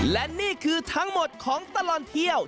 และนี่คือทั้งหมดของตลอดเที่ยว